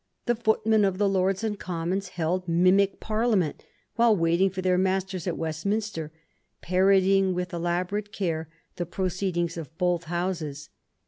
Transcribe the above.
The footmen of the Lords and Commons held mimic parliament while waiting for their masters at West minster, parodying with elaborate care the proceed ings of both Houses.